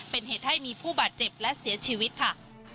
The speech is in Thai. เป็นเหตุให้มีผู้บาดเจ็บและเสียชีวิตค่ะ